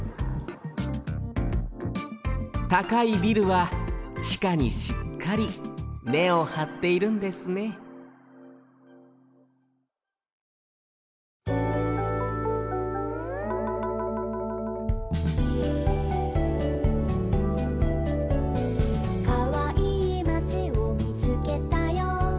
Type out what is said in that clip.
たかいビルはちかにしっかり根をはっているんですね「かわいいまちをみつけたよ」